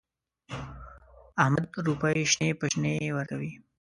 احمد روپۍ شنې په شنې ورکوي.